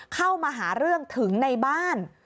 เข้ามาหาเรื่องถึงในบ้าน